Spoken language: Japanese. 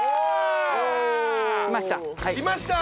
いました。